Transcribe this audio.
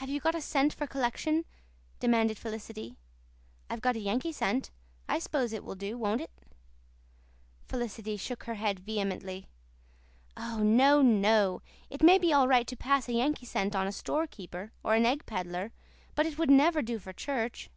"Have you got a cent for collection?" demanded Felicity. "I've got a Yankee cent. I s'pose it will do, won't it?" Felicity shook her head vehemently. "Oh, no, no. It may be all right to pass a Yankee cent on a store keeper or an egg peddler, but it would never do for church."